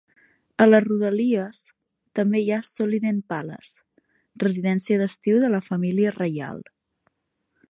A les rodalies també hi ha Solliden Palace, residència d'estiu de la família reial.